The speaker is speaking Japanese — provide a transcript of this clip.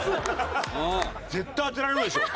絶対当てられるでしょ。